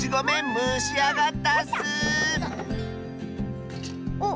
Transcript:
むしあがったッスおっ。